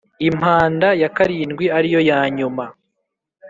Impanda ya karindwi ariyo yanyuma